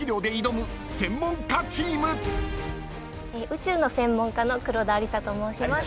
宇宙の専門家の黒田有彩と申します。